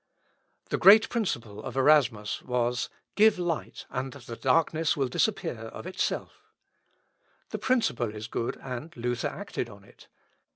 The great principle of Erasmus was, "Give light, and the darkness will disappear of itself." The principle is good, and Luther acted on it.